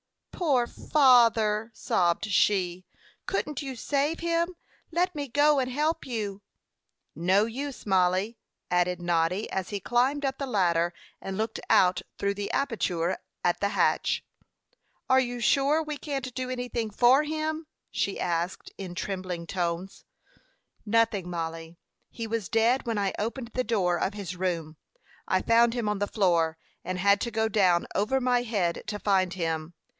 "Poor father," sobbed she. "Couldn't you save him? Let me go and help you." "No use, Mollie," added Noddy, as he climbed up the ladder, and looked out through the aperture at the hatch. "Are you sure we can't do anything for him?" she asked, in trembling tones. "Nothing, Mollie. He was dead when I opened the door of his room. I found him on the floor, and had to go down over my head to find him.